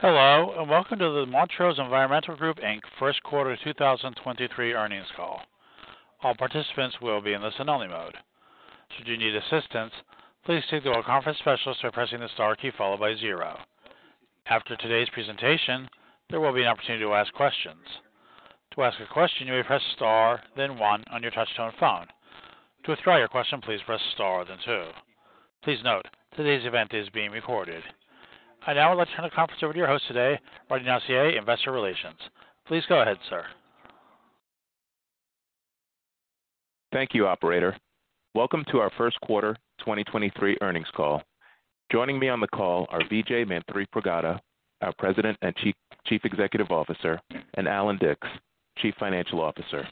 Hello, and welcome to the Montrose Environmental Group, Inc. first quarter 2023 Earnings call. All participants will be in the listen-only mode. Should you need assistance, please speak to a conference specialist by pressing the star key followed by zero. After today's presentation, there will be an opportunity to ask questions. To ask a question, you may press star then one on your touchtone phone. To withdraw your question, please Press Star then two. Please note, today's event is being recorded. I'd now like to turn the conference over to your host today, Rodny Nacier, Investor Relations. Please go ahead, sir. Thank you, operator. Welcome to our first quarter 2023 Earnings call. Joining me on the call are Vijay Manthripragada, our President and Chief Executive Officer, and Allan Dicks, Chief Financial Officer.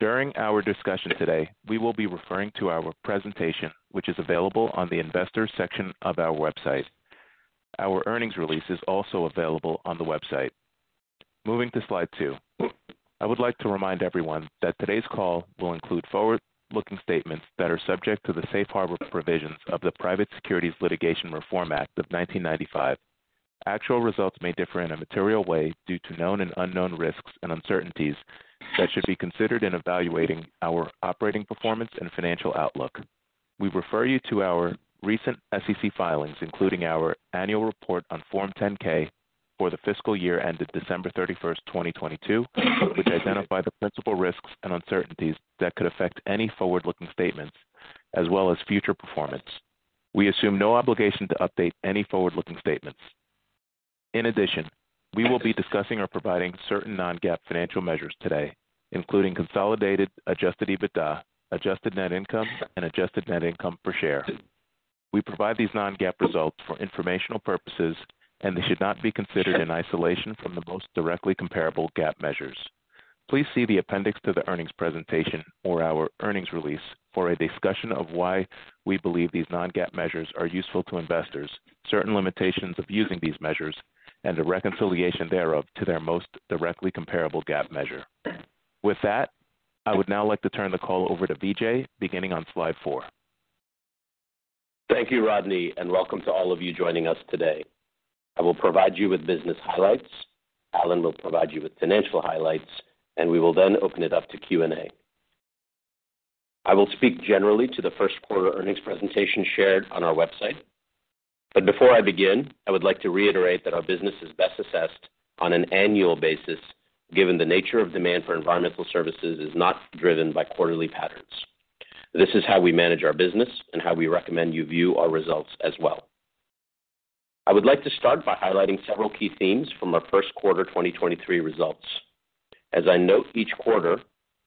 During our discussion today, we will be referring to our presentation, which is available on the investor section of our website. Our earnings release is also available on the website. Moving to slide two. I would like to remind everyone that today's call will include forward-looking statements that are subject to the safe harbor provisions of the Private Securities Litigation Reform Act of 1995. Actual results may differ in a material way due to known and unknown risks and uncertainties that should be considered in evaluating our operating performance and financial outlook. We refer you to our recent SEC filings, including our annual report on Form 10-K for the fiscal year ended 31st December, 2022, which identify the principal risks and uncertainties that could affect any forward-looking statements as well as future performance. We assume no obligation to update any forward-looking statements. In addition, we will be discussing or providing certain non-GAAP financial measures today, including consolidated adjusted EBITDA, adjusted net income, and adjusted net income per share. We provide these non-GAAP results for informational purposes, and they should not be considered in isolation from the most directly comparable GAAP measures. Please see the appendix to the earnings presentation or our earnings release for a discussion of why we believe these non-GAAP measures are useful to investors, certain limitations of using these measures and a reconciliation thereof to their most directly comparable GAAP measure. With that, I would now like to turn the call over to Vijay, beginning on slide four. Thank you, Rodney. Welcome to all of you joining us today. I will provide you with business highlights. Allan will provide you with financial highlights, and we will then open it up to Q&A. I will speak generally to the first quarter earnings presentation shared on our website. Before I begin, I would like to reiterate that our business is best assessed on an annual basis given the nature of demand for environmental services is not driven by quarterly patterns. This is how we manage our business and how we recommend you view our results as well. I would like to start by highlighting several key themes from our first quarter 2023 results. As I note each quarter,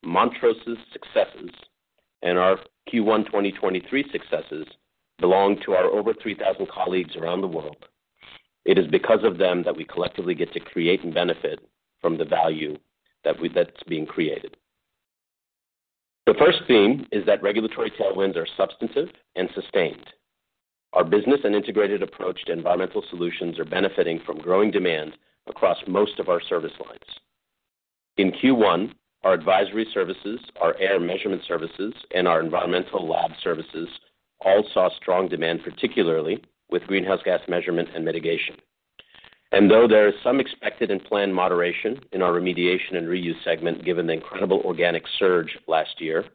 Montrose's successes and our Q1 2023 successes belong to our over 3,000 colleagues around the world. It is because of them that we collectively get to create and benefit from the value that's being created. The first theme is that regulatory tailwinds are substantive and sustained. Our business and integrated approach to environmental solutions are benefiting from growing demand across most of our service lines. In Q1, our advisory services, our air measurement services, and our environmental lab services all saw strong demand, particularly with greenhouse gas measurement and mitigation. Though there is some expected and planned moderation in our remediation and reuse segment given the incredible organic surge last year,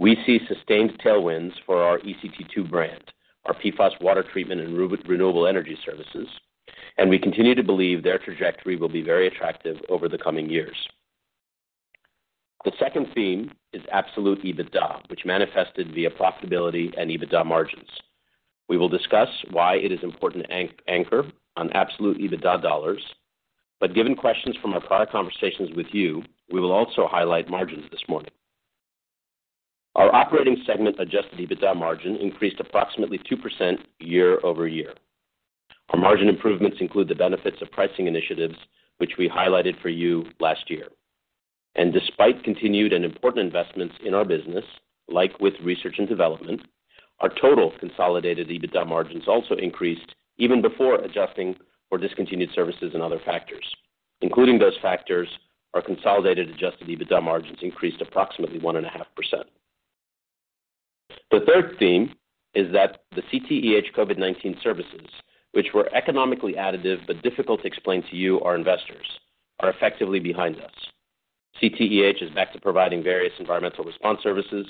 we see sustained tailwinds for our ECT2 brand, our PFAS water treatment and renewable energy services. We continue to believe their trajectory will be very attractive over the coming years. The second theme is absolute EBITDA, which manifested via profitability and EBITDA margins. We will discuss why it is important anchor on absolute EBITDA dollars. Given questions from our prior conversations with you, we will also highlight margins this morning. Our operating segment adjusted EBITDA margin increased approximately 2% year-over-year. Our margin improvements include the benefits of pricing initiatives, which we highlighted for you last year. Despite continued and important investments in our business, like with research and development, our total consolidated EBITDA margins also increased even before adjusting for discontinued services and other factors. Including those factors, our consolidated adjusted EBITDA margins increased approximately 1.5%. The third theme is that the CTEH COVID-19 services, which were economically additive but difficult to explain to you, our investors, are effectively behind us. CTEH is back to providing various environmental response services,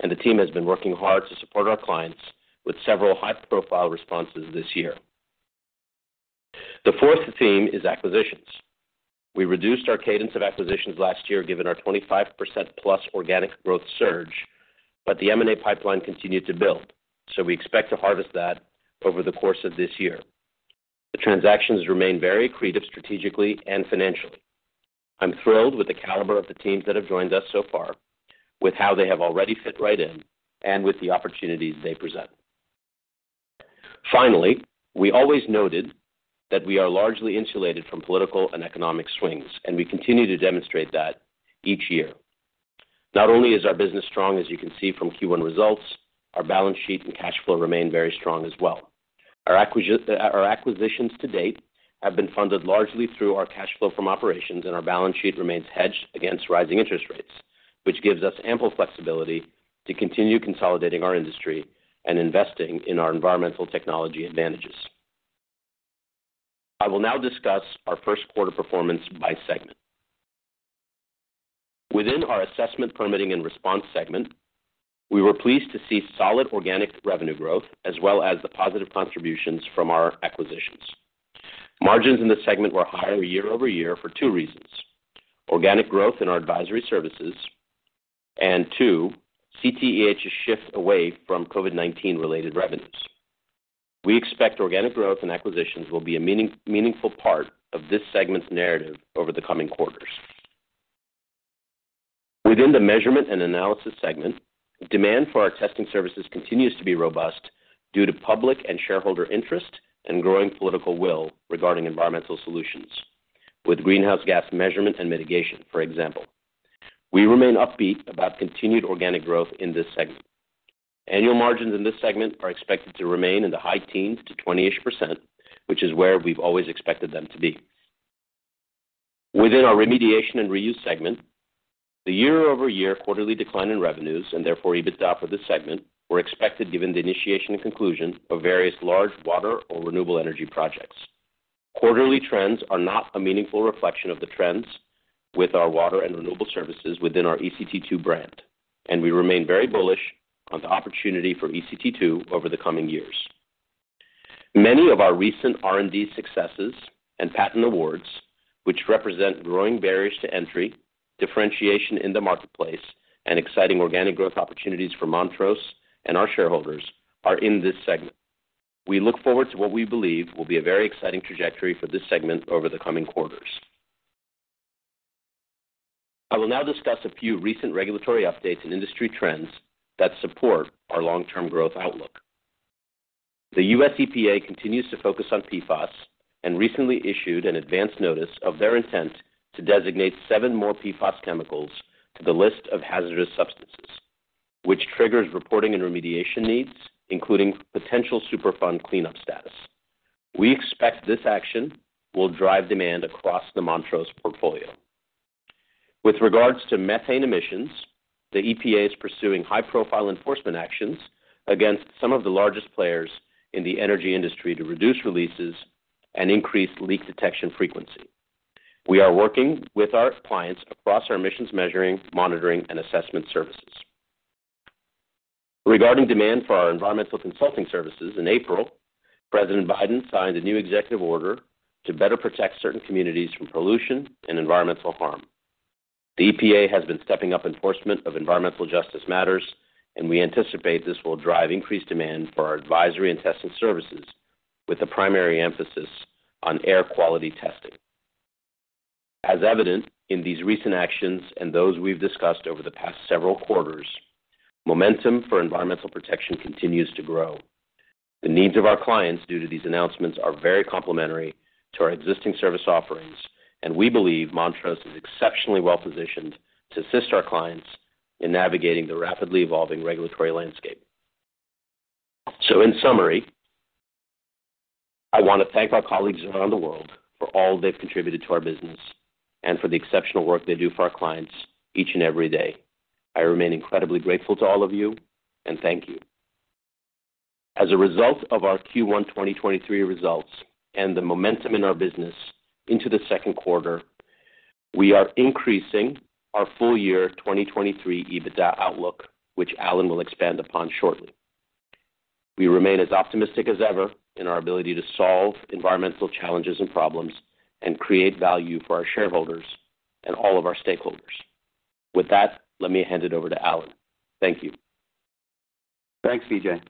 and the team has been working hard to support our clients with several high-profile responses this year. The fourth theme is acquisitions. We reduced our cadence of acquisitions last year given our 25% plus organic growth surge, but the M&A pipeline continued to build, so we expect to harvest that over the course of this year. The transactions remain very accretive strategically and financially. I'm thrilled with the caliber of the teams that have joined us so far, with how they have already fit right in, and with the opportunities they present. Finally, we always noted that we are largely insulated from political and economic swings, and we continue to demonstrate that each year. Not only is our business strong, as you can see from Q1 results, our balance sheet and cash flow remain very strong as well. Our acquisitions to date have been funded largely through our cash flow from operations, and our balance sheet remains hedged against rising interest rates, which gives us ample flexibility to continue consolidating our industry and investing in our environmental technology advantages. I will now discuss our first quarter performance by segment. Within our Assessment, Permitting, and Response segment, we were pleased to see solid organic revenue growth as well as the positive contributions from our acquisitions. Margins in this segment were higher year-over-year for two reasons. Organic growth in our advisory services and two, CTEH's shift away from COVID-19 related revenues. We expect organic growth and acquisitions will be a meaningful part of this segment's narrative over the coming quarters. Within the Measurement and Analysis segment, demand for our testing services continues to be robust due to public and shareholder interest and growing political will regarding environmental solutions with greenhouse gas measurement and mitigation, for example. We remain upbeat about continued organic growth in this segment. Annual margins in this segment are expected to remain in the high teens to 20-ish%, which is where we've always expected them to be. Within our Remediation and Reuse segment, the year-over-year quarterly decline in revenues, and therefore EBITDA for this segment, were expected given the initiation and conclusion of various large water or renewable energy projects. Quarterly trends are not a meaningful reflection of the trends with our water and renewable services within our ECT2 brand, and we remain very bullish on the opportunity for ECT2 over the coming years. Many of our recent R&D successes and patent awards, which represent growing barriers to entry, differentiation in the marketplace, and exciting organic growth opportunities for Montrose and our shareholders are in this segment. We look forward to what we believe will be a very exciting trajectory for this segment over the coming quarters. I will now discuss a few recent regulatory updates and industry trends that support our long-term growth outlook. The US EPA continues to focus on PFAS and recently issued an advance notice of their intent to designate seven more PFAS chemicals to the list of hazardous substances, which triggers reporting and remediation needs, including potential Superfund cleanup status. We expect this action will drive demand across the Montrose portfolio. With regards to methane emissions, the EPA is pursuing high-profile enforcement actions against some of the largest players in the energy industry to reduce releases and increase leak detection frequency. We are working with our clients across our emissions measuring, monitoring, and assessment services. Regarding demand for our environmental consulting services in April, President Biden signed a new executive order to better protect certain communities from pollution and environmental harm. The EPA has been stepping up enforcement of environmental justice matters, and we anticipate this will drive increased demand for our advisory and testing services with a primary emphasis on air quality testing. As evident in these recent actions and those we've discussed over the past several quarters, momentum for environmental protection continues to grow. The needs of our clients due to these announcements are very complementary to our existing service offerings. We believe Montrose is exceptionally well-positioned to assist our clients in navigating the rapidly evolving regulatory landscape. In summary, I wanna thank our colleagues around the world for all they've contributed to our business and for the exceptional work they do for our clients each and every day. I remain incredibly grateful to all of you. Thank you. As a result of our Q1 2023 results and the momentum in our business into the second quarter, we are increasing our full year 2023 EBITDA outlook, which Allan will expand upon shortly. We remain as optimistic as ever in our ability to solve environmental challenges and problems and create value for our shareholders and all of our stakeholders. With that, let me hand it over to Allan. Thank you. Thanks, Vijay.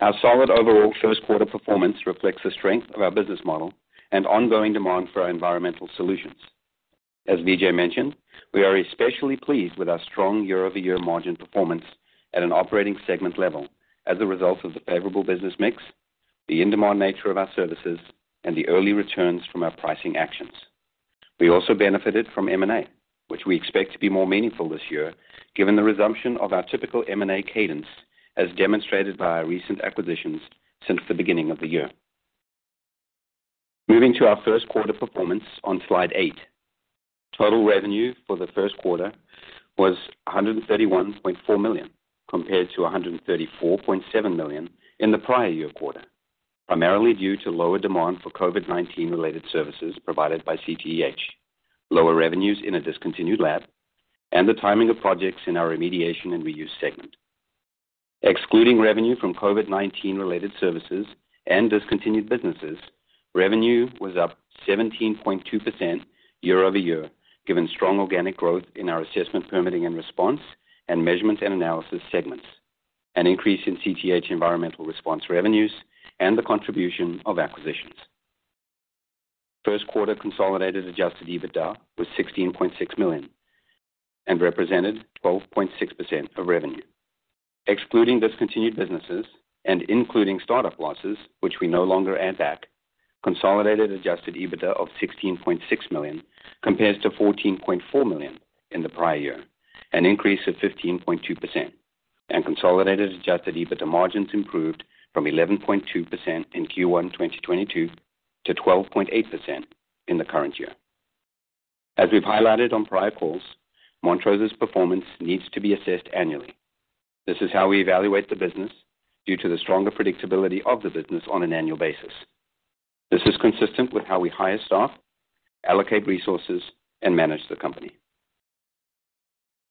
Our solid overall first quarter performance reflects the strength of our business model and ongoing demand for our environmental solutions. As Vijay mentioned, we are especially pleased with our strong year-over-year margin performance at an operating segment level as a result of the favorable business mix, the in-demand nature of our services, and the early returns from our pricing actions. We also benefited from M&A, which we expect to be more meaningful this year, given the resumption of our typical M&A cadence, as demonstrated by our recent acquisitions since the beginning of the year. Moving to our first quarter performance on slide eight. Total revenue for the first quarter was $131.4 million, compared to $134.7 million in the prior year quarter, primarily due to lower demand for COVID-19 related services provided by CTEH, lower revenues in a discontinued lab, and the timing of projects in our remediation and reuse segment. Excluding revenue from COVID-19 related services and discontinued businesses, revenue was up 17.2% year-over-year, given strong organic growth in our Assessment, Permitting, and Response and Measurement and Analysis segments, an increase in CTEH environmental response revenues, and the contribution of acquisitions. First quarter consolidated adjusted EBITDA was $16.6 million and represented 12.6% of revenue. Excluding discontinued businesses and including startup losses, which we no longer add back, consolidated adjusted EBITDA of $16.6 million compares to $14.4 million in the prior year, an increase of 15.2%. Consolidated adjusted EBITDA margins improved from 11.2% in Q1 2022 to 12.8% in the current year. As we've highlighted on prior calls, Montrose's performance needs to be assessed annually. This is how we evaluate the business due to the stronger predictability of the business on an annual basis. This is consistent with how we hire staff, allocate resources, and manage the company.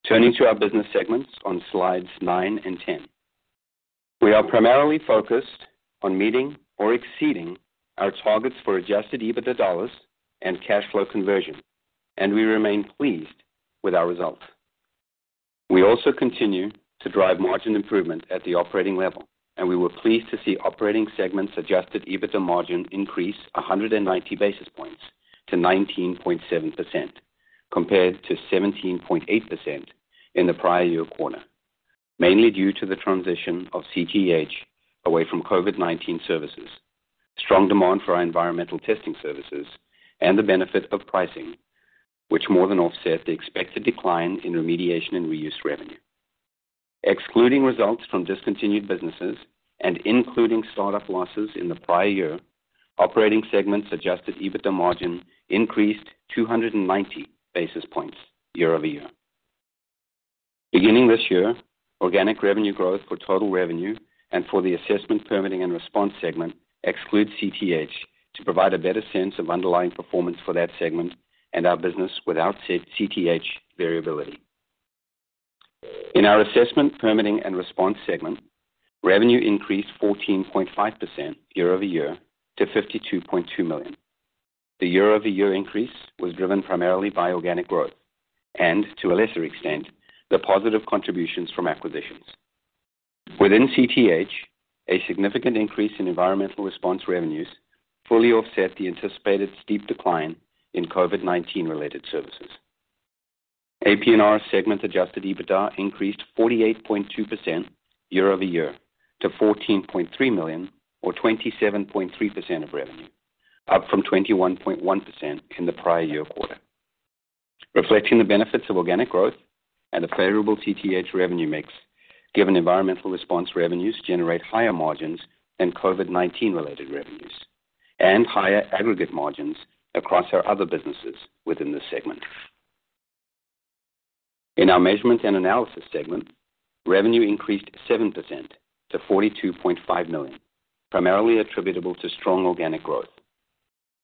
Turning to our business segments on slides nine and 10. We are primarily focused on meeting or exceeding our targets for adjusted EBITDA dollars and cash flow conversion, and we remain pleased with our results. We also continue to drive margin improvement at the operating level. We were pleased to see operating segments adjusted EBITDA margin increase 190 basis points to 19.7% compared to 17.8% in the prior year quarter, mainly due to the transition of CTEH away from COVID-19 services, strong demand for our environmental testing services and the benefit of pricing, which more than offset the expected decline in remediation and reuse revenue. Excluding results from discontinued businesses and including startup losses in the prior year, operating segments adjusted EBITDA margin increased 290 basis points year-over-year. Beginning this year, organic revenue growth for total revenue and for the Assessment, Permitting, and Response segment excludes CTEH to provide a better sense of underlying performance for that segment and our business without CTEH variability. In our Assessment, Permitting, and Response segment, revenue increased 14.5% year-over-year to $52.2 million. The year-over-year increase was driven primarily by organic growth and to a lesser extent, the positive contributions from acquisitions. Within CTEH, a significant increase in environmental response revenues fully offset the anticipated steep decline in COVID-19 related services. AP&R segment adjusted EBITDA increased 48.2% year-over-year to $14.3 million or 27.3% of revenue, up from 21.1% in the prior year quarter. Reflecting the benefits of organic growth and a favorable CTEH revenue mix, given environmental response revenues generate higher margins than COVID-19 related revenues and higher aggregate margins across our other businesses within the segment. In our Measurement and Analysis segment, revenue increased 7% to $42.5 million, primarily attributable to strong organic growth.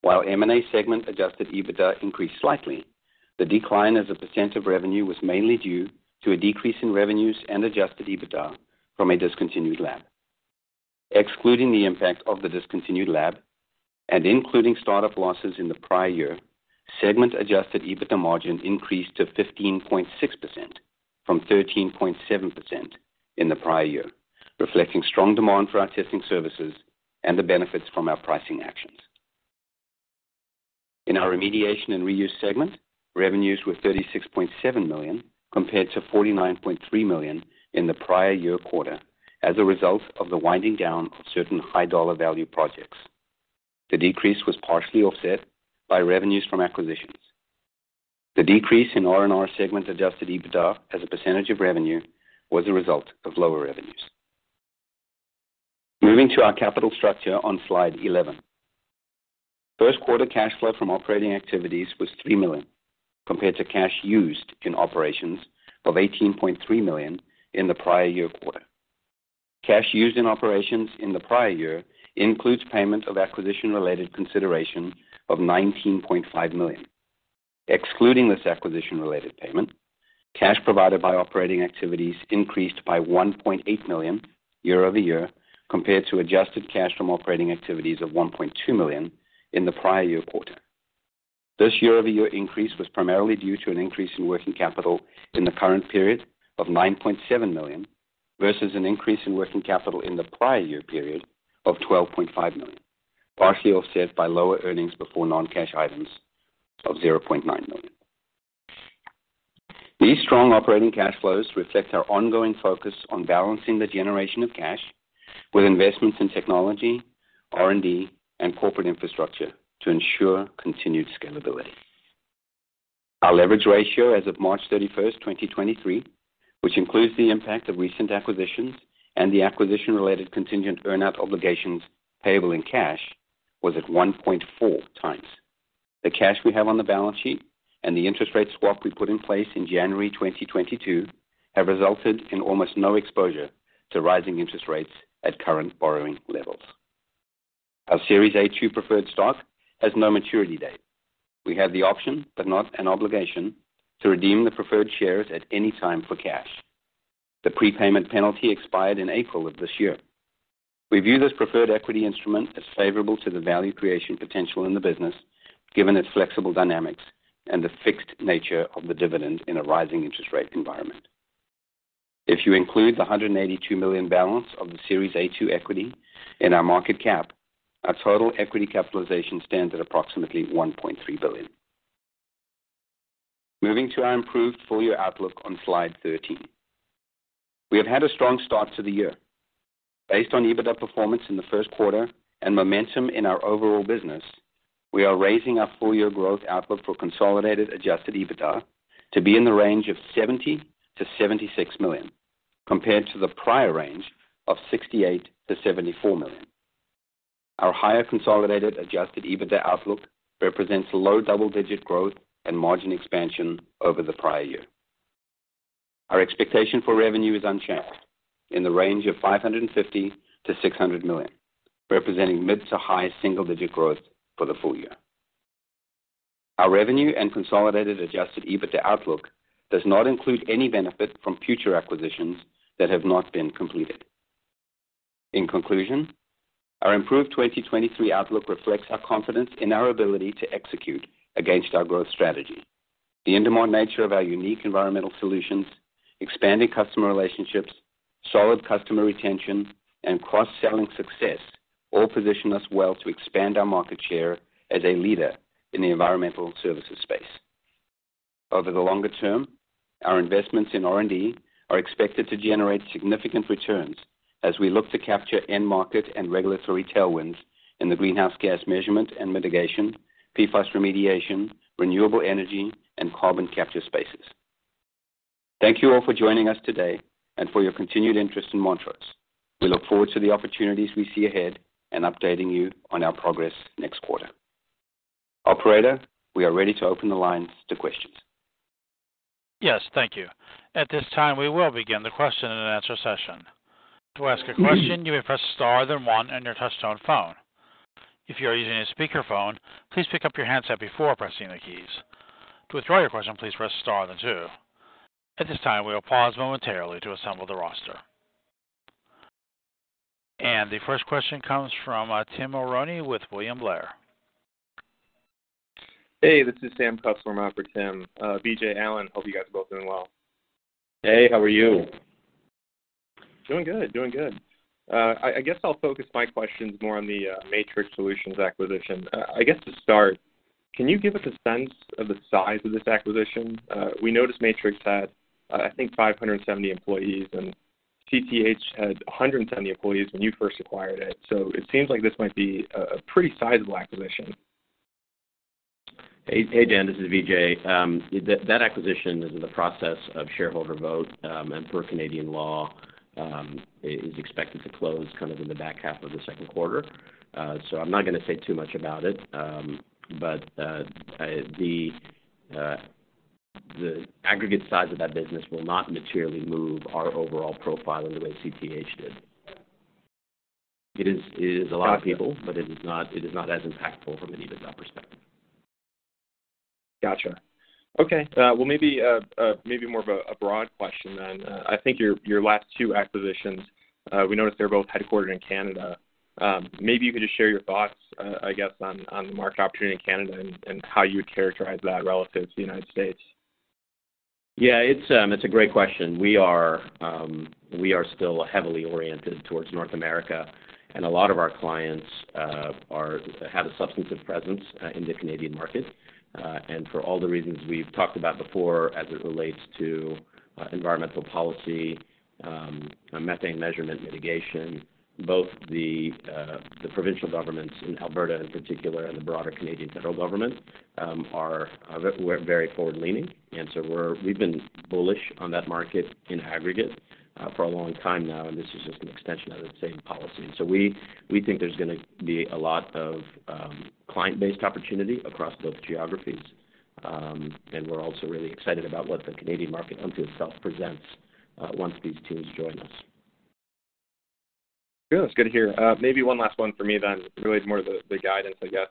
While M&A segment adjusted EBITDA increased slightly, the decline as a percentage of revenue was mainly due to a decrease in revenues and adjusted EBITDA from a discontinued lab. Excluding the impact of the discontinued lab and including start-up losses in the prior year, segment adjusted EBITDA margins increased to 15.6% from 13.7% in the prior year, reflecting strong demand for our testing services and the benefits from our pricing actions. In our remediation and reuse segment, revenues were $36.7 million compared to $49.3 million in the prior year quarter as a result of the winding down of certain high dollar value projects. The decrease was partially offset by revenues from acquisitions. The decrease in R&R segment adjusted EBITDA as a % of revenue was a result of lower revenues. Moving to our capital structure on slide 11. First quarter cash flow from operating activities was $3 million, compared to cash used in operations of $18.3 million in the prior year quarter. Cash used in operations in the prior year includes payment of acquisition related consideration of $19.5 million. Excluding this acquisition related payment, cash provided by operating activities increased by $1.8 million year-over-year compared to adjusted cash from operating activities of $1.2 million in the prior year quarter. This year-over-year increase was primarily due to an increase in working capital in the current period of $9.7 million versus an increase in working capital in the prior year period of $12.5 million, partially offset by lower earnings before non-cash items of $0.9 million. These strong operating cash flows reflect our ongoing focus on balancing the generation of cash with investments in technology, R&D and corporate infrastructure to ensure continued scalability. Our leverage ratio as of 31st March, 2023, which includes the impact of recent acquisitions and the acquisition related contingent earn out obligations payable in cash was at 1.4x. The cash we have on the balance sheet and the interest rate swap we put in place in January 2022 have resulted in almost no exposure to rising interest rates at current borrowing levels. Our Series A-2 preferred stock has no maturity date. We have the option, but not an obligation, to redeem the preferred shares at any time for cash. The prepayment penalty expired in April of this year. We view this preferred equity instrument as favorable to the value creation potential in the business, given its flexible dynamics and the fixed nature of the dividend in a rising interest rate environment. If you include the $182 million balance of the Series A-2 equity in our market cap, our total equity capitalization stands at approximately $1.3 billion. Moving to our improved full year outlook on slide 13. We have had a strong start to the year. Based on EBITDA performance in the first quarter and momentum in our overall business, we are raising our full-year growth outlook for consolidated adjusted EBITDA to be in the range of $70 million-$76 million, compared to the prior range of $68 million-$74 million. Our higher consolidated adjusted EBITDA outlook represents low double-digit growth and margin expansion over the prior year. Our expectation for revenue is unchanged in the range of $550 million-$600 million, representing mid to high single-digit growth for the full year. Our revenue and consolidated adjusted EBITDA outlook does not include any benefit from future acquisitions that have not been completed. In conclusion, our improved 2023 outlook reflects our confidence in our ability to execute against our growth strategy. The end-to-end nature of our unique environmental solutions, expanding customer relationships, solid customer retention, and cross-selling success all position us well to expand our market share as a leader in the environmental services space. Over the longer term, our investments in R&D are expected to generate significant returns as we look to capture end market and regulatory tailwinds in the greenhouse gas measurement and mitigation, PFAS remediation, renewable energy, and carbon capture spaces. Thank you all for joining us today and for your continued interest in Montrose. We look forward to the opportunities we see ahead and updating you on our progress next quarter. Operator, we are ready to open the line to questions. Yes. Thank you. At this time, we will begin the question and answer session. To ask a question, you may press star then one on your touchtone phone. If you are using a speakerphone, please pick up your handset before pressing the keys. To withdraw your question, please press star then two. At this time, we will pause momentarily to assemble the roster. The first question comes from Tim Mulrooney with William Blair. Hey, this is Sam for Tim. Vijay, Allan, hope you guys are both doing well. Hey, how are you? Doing good. Doing good. I guess I'll focus my questions more on the Matrix Solutions acquisition. I guess to start, can you give us a sense of the size of this acquisition? We noticed Matrix had, I think 570 employees, and CTEH had 170 employees when you first acquired it. It seems like this might be a pretty sizable acquisition. Hey, hey, Dan, this is Vijay. That acquisition is in the process of shareholder vote, and per Canadian law, is expected to close kind of in the back half of the second quarter. I'm not gonna say too much about it. The aggregate size of that business will not materially move our overall profile in the way CTEH did. It is a lot of people, but it is not as impactful from an EBITDA perspective. Gotcha. Okay. Well, maybe more of a broad question then. I think your last two acquisitions, we noticed they're both headquartered in Canada. Maybe you could just share your thoughts, I guess, on the market opportunity in Canada and how you would characterize that relative to the United States? Yeah, it's a great question. We are still heavily oriented towards North America, and a lot of our clients have a substantive presence in the Canadian market. For all the reasons we've talked about before as it relates to environmental policy, methane measurement mitigation, both the provincial governments in Alberta in particular and the broader Canadian federal government are very forward-leaning. We've been bullish on that market in aggregate for a long time now, and this is just an extension of the same policy. We think there's gonna be a lot of client-based opportunity across both geographies. We're also really excited about what the Canadian market unto itself presents once these teams join us. Good. That's good to hear. Maybe one last one for me then. Really more of the guidance, I guess.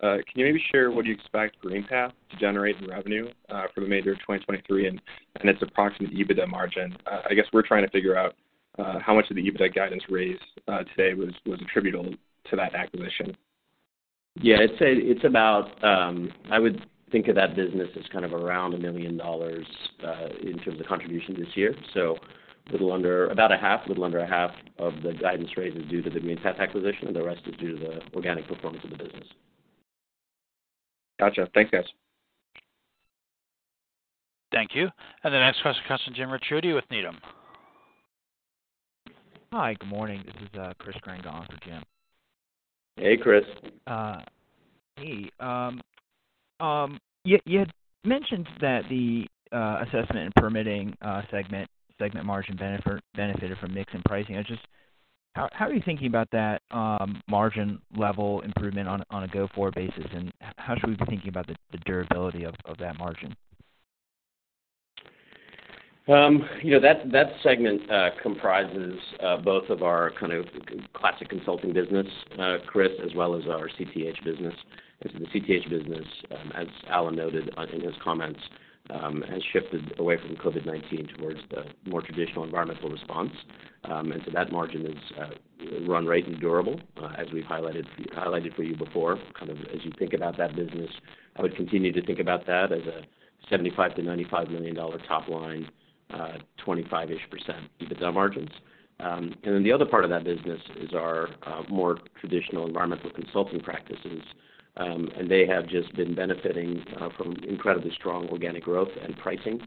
Can you maybe share what you expect GreenPath to generate in revenue for the major of 2023 and its approximate EBITDA margin? I guess we're trying to figure out how much of the EBITDA guidance raised today was attributable to that acquisition. Yeah. I'd say it's about, I would think of that business as kind of around $1 million in terms of contribution this year. Little under about a half, little under a half of the guidance rate is due to the GreenPath acquisition, and the rest is due to the organic performance of the business. Gotcha. Thanks, guys. Thank you. The next question comes from Jim Ricchiuti with Needham. Hi. Good morning. This is Chris for Jim. Hey, Chris. Hey, you had mentioned that the Assessment and Permitting segment margin benefited from mix in pricing. How are you thinking about that margin level improvement on a go-forward basis, and how should we be thinking about the durability of that margin? You know, that segment comprises both of our kind of classic consulting business, Chris, as well as our CTEH business. The CTEH business, as Allan noted on in his comments, has shifted away from COVID-19 towards the more traditional environmental response. That margin is run rate and durable, as we've highlighted for you before, kind of as you think about that business. I would continue to think about that as a $75 million-$95 million top line, 25%-ish EBITDA margins. The other part of that business is our more traditional environmental consulting practices. They have just been benefiting from incredibly strong organic growth and pricing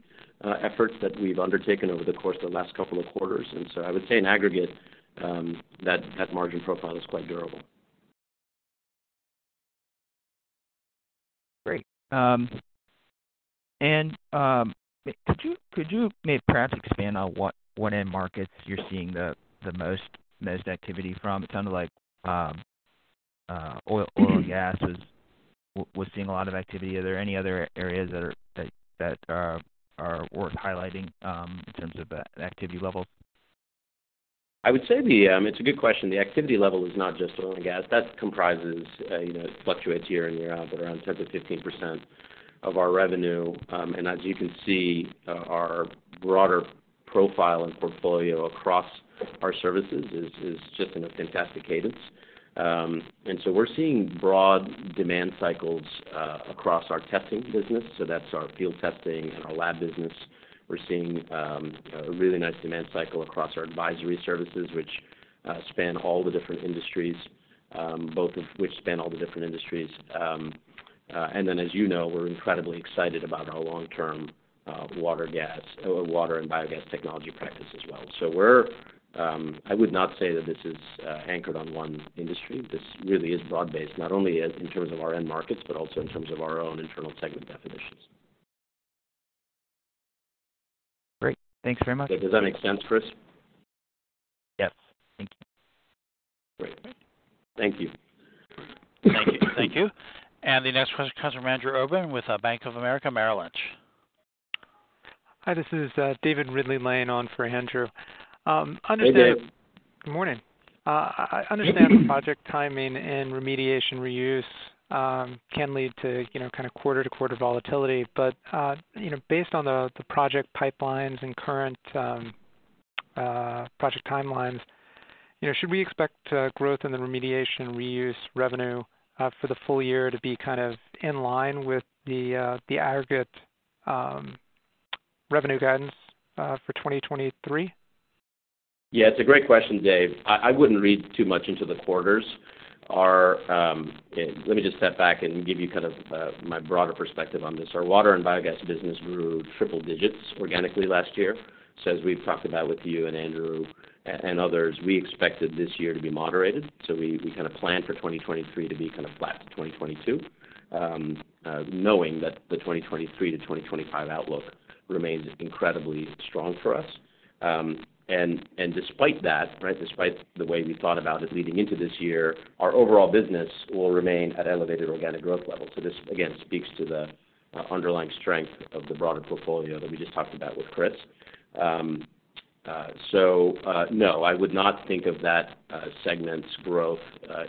efforts that we've undertaken over the course of the last couple of quarters. I would say in aggregate, that margin profile is quite durable. Great. Could you maybe perhaps expand on what end markets you're seeing the most activity from? It sounded like oil and gas was seeing a lot of activity. Are there any other areas that are worth highlighting in terms of activity level? I would say the. It's a good question. The activity level is not just oil and gas. That comprises, you know, it fluctuates year in, year out, but around 10%-15% of our revenue. As you can see, our broader profile and portfolio across our services is just in a fantastic cadence. We're seeing broad demand cycles across our testing business, so that's our field testing and our lab business. We're seeing a really nice demand cycle across our advisory services which span all the different industries, both of which span all the different industries. As you know, we're incredibly excited about our long-term water gas, water and biogas technology practice as well. We're. I would not say that this is anchored on one industry. This really is broad-based, not only in terms of our end markets, but also in terms of our own internal segment definitions. Great. Thanks very much. Does that make sense, Chris? Yes. Thank you. Great. Thank you. Thank you. Thank you. The next question comes from Andrew Obin with, Bank of America Merrill Lynch. Hi, this is David Ridley-Lane laying on for Andrew. Hey, Dave. Good morning. I understand project timing and remediation reuse can lead to, you know, kind of quarter-to-quarter volatility. You know, based on the project pipelines and current project timelines, you know, should we expect growth in the remediation reuse revenue for the full year to be kind of in line with the aggregate revenue guidance for 2023? Yeah, it's a great question, Dave. I wouldn't read too much into the quarters. Our, let me just step back and give you kind of, my broader perspective on this. Our water and biogas business grew triple digits organically last year. As we've talked about with you and Andrew and others, we expected this year to be moderated, so we kind of planned for 2023 to be kind of flat to 2022, knowing that the 2023-2025 outlook remains incredibly strong for us. Despite that, right, despite the way we thought about it leading into this year, our overall business will remain at elevated organic growth levels. This, again, speaks to the underlying strength of the broader portfolio that we just talked about with Chris. No, I would not think of that segment's growth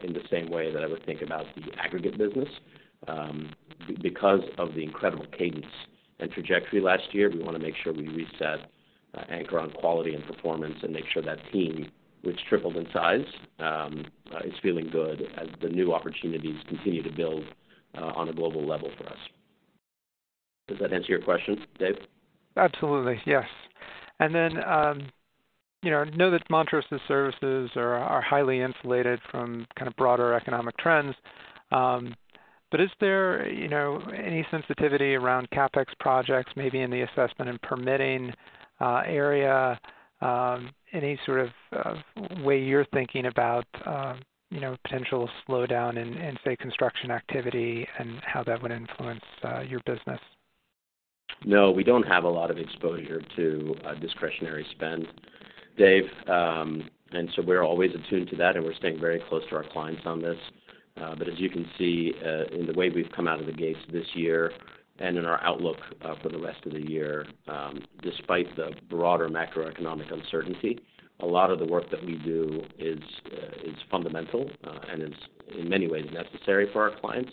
in the same way that I would think about the aggregate business. Because of the incredible cadence and trajectory last year, we wanna make sure we reset, anchor on quality and performance and make sure that team, which tripled in size, is feeling good as the new opportunities continue to build on a global level for us. Does that answer your question, Dave? Absolutely, yes. You know, I know that Montrose's services are highly insulated from kind of broader economic trends. Is there, you know, any sensitivity around CapEx projects, maybe in the assessment and permitting area, any sort of way you're thinking about, you know, potential slowdown in say, construction activity and how that would influence your business? No, we don't have a lot of exposure to discretionary spend, Dave. We're always attuned to that, and we're staying very close to our clients on this. As you can see, in the way we've come out of the gates this year and in our outlook for the rest of the year, despite the broader macroeconomic uncertainty, a lot of the work that we do is fundamental and is in many ways necessary for our clients.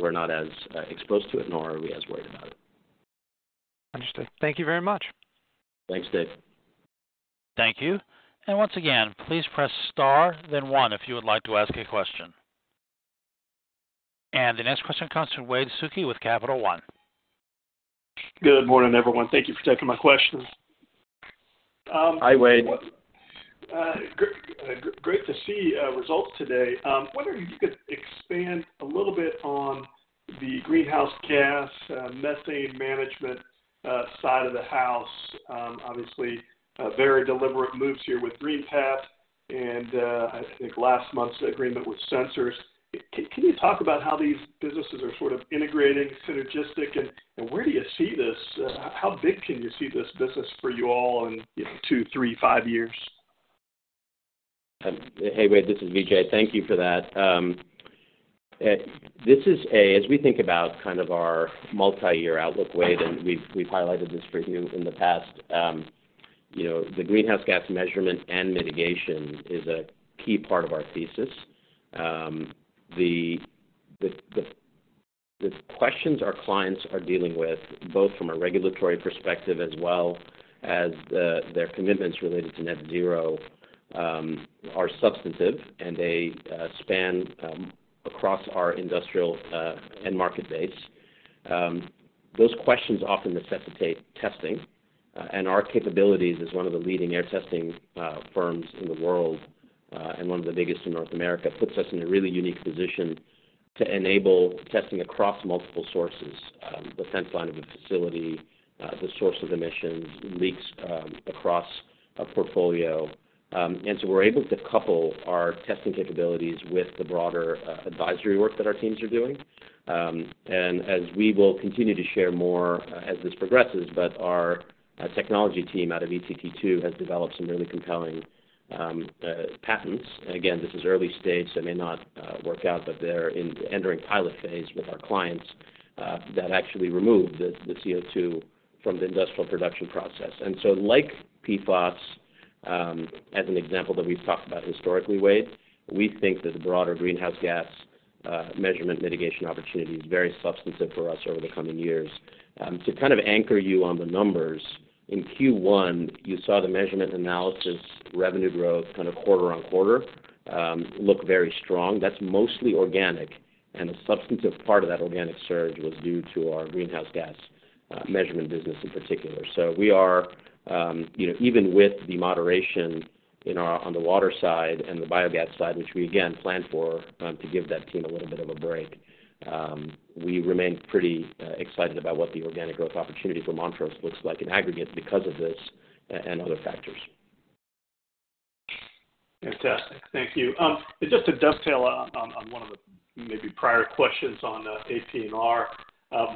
We're not as exposed to it, nor are we as worried about it. Understood. Thank you very much. Thanks, Dave. Thank you. Once again, please Press Star then one if you would like to ask a question. The next question comes from Wade Suki with Capital One. Good morning, everyone. Thank you for taking my questions. Hi, Wade. Great to see results today. Wondering if you could expand a little bit on the greenhouse gas methane management side of the house. Obviously, very deliberate moves here with GreenPath and I think last month's agreement with Sensors. Can you talk about how these businesses are sort of integrating, synergistic, and where do you see this? How big can you see this business for you all in, you know, two, three, five years? Hey, Wade, this is Vijay. Thank you for that. As we think about kind of our multi-year outlook, Wade, and we've highlighted this for you in the past, you know, the greenhouse gas measurement and mitigation is a key part of our thesis. The questions our clients are dealing with, both from a regulatory perspective as well as their commitments related to net zero, are substantive, and they span across our industrial end market base. Those questions often necessitate testing, and our capabilities as one of the leading air testing firms in the world, and one of the biggest in North America, puts us in a really unique position to enable testing across multiple sources. The fence line of a facility, the source of emissions, leaks, across a portfolio. We're able to couple our testing capabilities with the broader advisory work that our teams are doing. As we will continue to share more as this progresses, but our technology team out of ECT2 has developed some really compelling patents. Again, this is early stage, so it may not work out, but they're entering pilot phase with our clients that actually remove the CO2 from the industrial production process. Like PFOS, as an example that we've talked about historically, Wade, we think that the broader greenhouse gas measurement mitigation opportunity is very substantive for us over the coming years. To kind of anchor you on the numbers, in Q1, you saw the Measurement and Analysis revenue growth kind of quarter-on-quarter, look very strong. That's mostly organic, and a substantive part of that organic surge was due to our greenhouse gas measurement business in particular. We are, you know, even with the moderation on the water side and the biogas side, which we again plan for, to give that team a little bit of a break, we remain pretty excited about what the organic growth opportunity for Montrose looks like in aggregate because of this and other factors. Fantastic. Thank you. Just to dovetail on one of the maybe prior questions on M&A,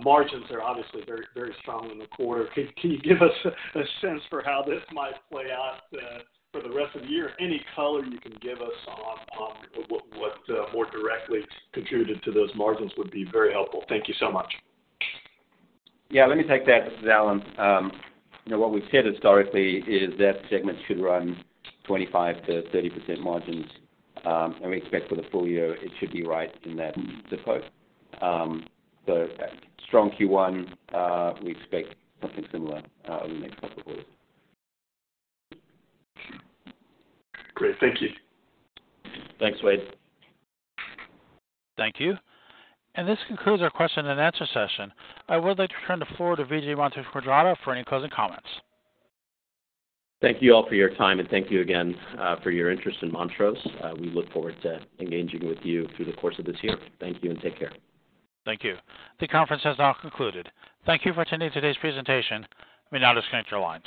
margins are obviously very, very strong in the quarter. Can you give us a sense for how this might play out for the rest of the year? Any color you can give us on what more directly contributed to those margins would be very helpful. Thank you so much. Yeah, let me take that. This is Allan. You know, what we've said historically is that segment should run 25%-30% margins, and we expect for the full year, it should be right in that zip code. Strong Q1, we expect something similar over the next couple of quarters. Great. Thank you. Thanks, Wade. Thank you. This concludes our question and answer session. I would like to turn the floor toVijay Manthripragada for any closing comments. Thank you all for your time, and thank you again, for your interest in Montrose. We look forward to engaging with you through the course of this year. Thank you, and take care. Thank you. The conference has now concluded. Thank you for attending today's presentation. You may now disconnect your lines.